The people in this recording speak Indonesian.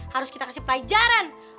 harus kita kasih pelajaran